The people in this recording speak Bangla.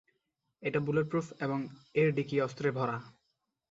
এটা বুলেটপ্রুফ এবং এর ডিকি অস্ত্রে ভরা।